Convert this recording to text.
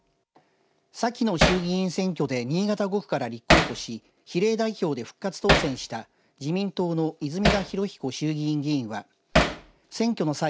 先の衆議院選挙で新潟５区から立候補し比例代表で復活当選した自民党の泉田裕彦衆議院議員は選挙の際